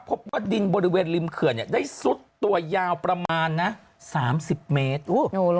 พบว่าดินบริเวณริมเขื่อนได้ซุดตัวยาวประมาณนะ๓๐เมตร